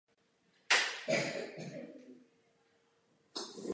Vlivem povětrnostních podmínek však provedená oprava nemohla sochu zachránit natrvalo.